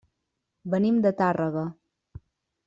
Venim de Tàrrega.